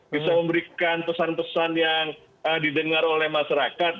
bisa memberikan pesan pesan yang didengar oleh masyarakat